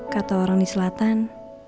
kata orang di selatan